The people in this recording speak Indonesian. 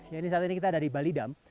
ini saat ini kita ada di bali dam